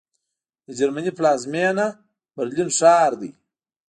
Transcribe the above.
د جرمني پلازمېنه برلین ښار دی